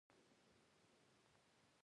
غمونه هېر شول.